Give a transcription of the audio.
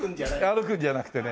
歩くんじゃなくてね。